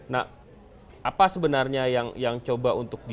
nah apa sebenarnya yang coba untuk di